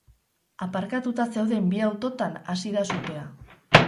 Aparkatuta zeuden bi autotan hasi da sutea.